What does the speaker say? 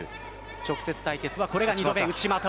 直接対決はこれが２度目。